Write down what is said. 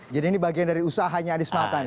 jadi ini bagian dari usahanya adi sematani ya